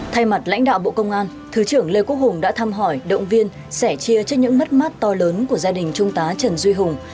thay mặt lãnh đạo bộ công an thứ trưởng lê quốc hùng đã thăm hỏi động viên sẻ chia trước những mất mát to lớn của gia đình trung tá trần duy hùng